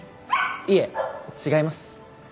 いえ違います。